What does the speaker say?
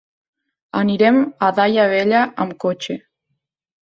Anirem a Daia Vella amb cotxe.